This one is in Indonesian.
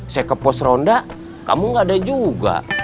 saya ke pos ronda kamu gak ada juga